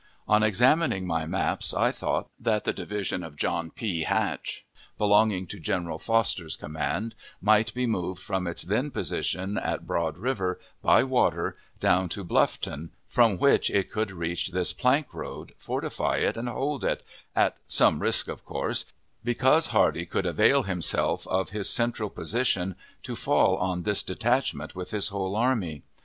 On examining my maps, I thought that the division of John P. Hatch, belonging to General Fosters command, might be moved from its then position at Broad River, by water, down to Bluffton, from which it could reach this plank road, fortify and hold it at some risk, of course, because Hardee could avail himself of his central position to fall on this detachment with his whole army.